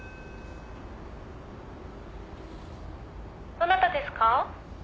「どなたですか？」